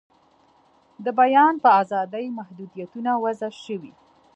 د بیان په آزادۍ محدویتونه وضع شوي.